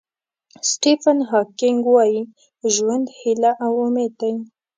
سټیفن هاکینګ وایي ژوند هیله او امید دی.